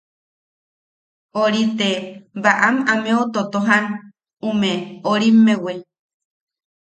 Orite baʼam ameu totojan ume orimmewi.